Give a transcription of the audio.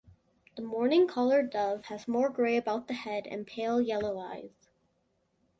The mourning collared dove has more grey about the head, and pale yellow eyes.